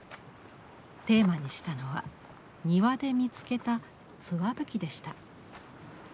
テーマにしたのは庭で見つけたツワブキでした。